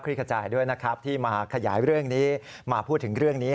ขจายด้วยนะครับที่มาขยายเรื่องนี้มาพูดถึงเรื่องนี้